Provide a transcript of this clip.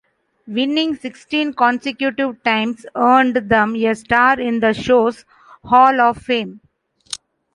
Winning sixteen consecutive times earned them a star in the show's hall of fame.